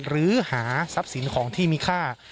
หรือหาทรัพย์สินของที่มีค่า